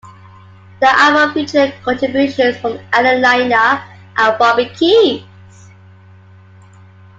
The album featured contributions from Allen Lanier and Bobby Keys.